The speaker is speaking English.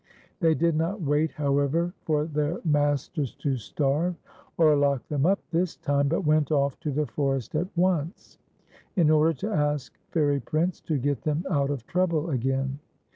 They did not wait, however, for their masters TIPSY'S SILVER BELL. 13S to starv^e or lock them up tliis time, but went off to the forest at once, in order to ask Fairy Prince to get them out of trouble again.